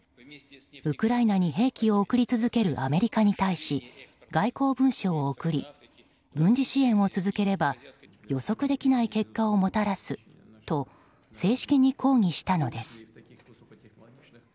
ウクライナに兵器を送り続けるアメリカに対し外交文書を送り軍事支援を続ければ予測できない結果をもたらすと正式に抗議したのです。